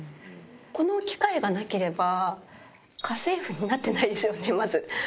この機会がなければ、家政婦になってないですよね、まず。